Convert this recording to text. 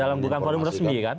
dalam bukan forum resmi kan